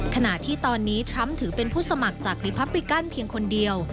ขณะที่ตอนนี้ทรัมป์ถือเป็นผู้สมัครจากรีพับริกันเพียงคนเดียว